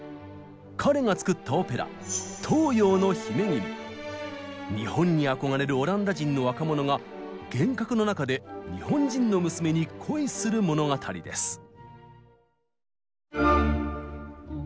彼が作った日本に憧れるオランダ人の若者が幻覚の中で日本人の娘に恋する物語です。